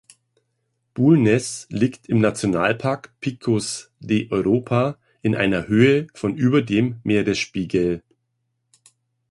Bulnes liegt im Nationalpark Picos de Europa in einer Höhe von über dem Meeresspiegel.